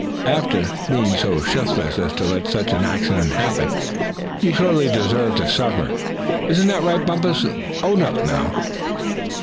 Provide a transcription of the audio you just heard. "After being so shiftless as to let such an accident happen, you surely deserve to suffer. Isn't that right, Bumpus; own up now?"